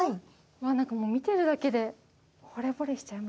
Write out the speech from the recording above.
何かもう見てるだけでほれぼれしちゃいますね。